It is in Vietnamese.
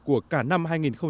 của cả năm hai nghìn một mươi bảy